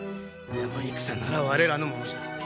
山戦なら我らのものじゃ。